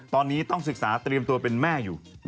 ตอนนี้ต้องศึกษาเตรียมตัวเป็นแม่อยู่